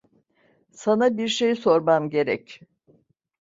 Sana bir şey sormam gerek.